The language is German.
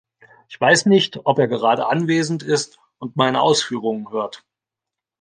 Ich weiß nicht, ob er gerade anwesend ist und meine Ausführungen hört.